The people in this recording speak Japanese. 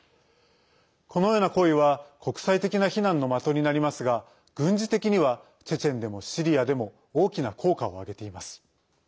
このような行為は国際的な非難の的になりますが軍事的にはチェチェンでもシリアでも大きな効果を上げています。